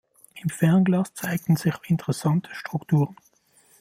Im Fernglas zeigen sich interessante Strukturen.